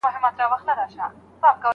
کله چي پوهه شریکه سي نو زیاتېږي.